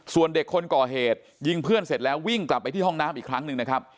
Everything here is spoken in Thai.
ส่วนเด็กคนก่อเหตุยิงเพื่อนเสร็จแล้ววิ่งกลับไปที่ห้องน้ำอีกครั้งหนึ่งนะครับ